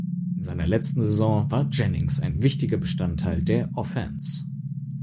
In seiner letzten Saison war Jennings ein wichtiger Bestandteil der Offense.